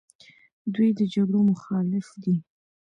دوی د جګړو مخالف دي.